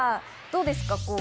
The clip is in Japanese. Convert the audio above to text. どうですか？